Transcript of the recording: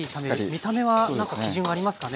見た目は何か基準はありますかね？